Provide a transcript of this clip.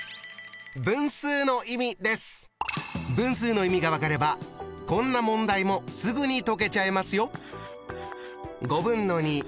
分数の意味が分かればこんな問題もすぐに解けちゃいますよ。